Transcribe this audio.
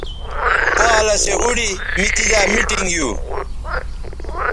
پالسے اوڑی می تیزائ میٹنگ گیو